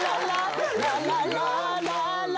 ララララ